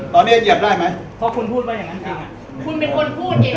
ตอนนี้เหยียบได้ไหม